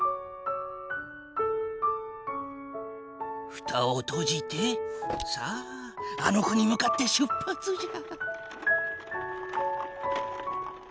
ふたをとじてさああの子に向かって出発じゃ。